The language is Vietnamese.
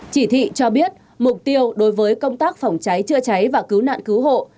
chỉ thị cho biết mục tiêu đối với công tác phòng cháy chữa cháy và cứu nạn cứu hộ